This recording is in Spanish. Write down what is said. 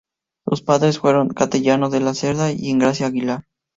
Sus padres fueron Cayetano de la Cerda y Engracia Aguilar.